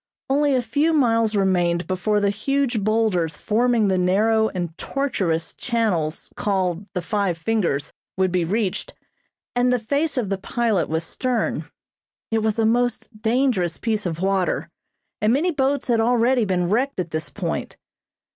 Only a few miles remained before the huge boulders forming the narrow and tortuous channels called the "Five Fingers" would be reached, and the face of the pilot was stern. It was a most dangerous piece of water and many boats had already been wrecked at this point.